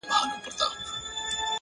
روښانه فکر ګډوډي کموي!.